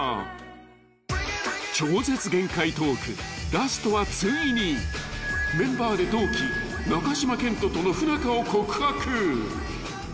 ［ラストはついにメンバーで同期中島健人との不仲を告白］